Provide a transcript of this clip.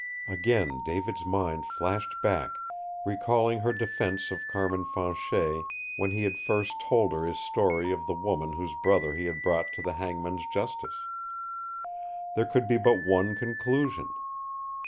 Again David's mind flashed back, recalling her defense of Carmin Fanchet when he had first told her his story of the woman whose brother he had brought to the hangman's justice. There could be but one conclusion.